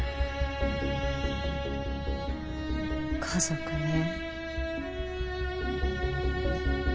家族ね。